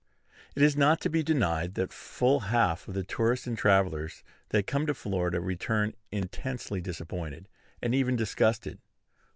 It is not to be denied that full half of the tourists and travellers that come to Florida return intensely disappointed, and even disgusted.